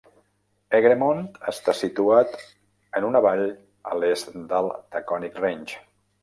Egremont està situat en una vall a l'est del Taconic Range.